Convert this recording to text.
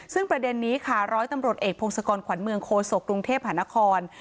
ซึ่งประเด็นนี้ค่ะร้อยตำรวจเอกพงศกรขวัญเมืองโคศกกรุงเทพหานคร